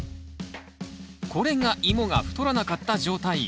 これがイモが太らなかった状態。